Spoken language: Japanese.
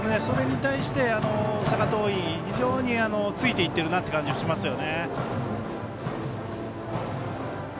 それに対して、大阪桐蔭非常についていってるなという感じがしますよね。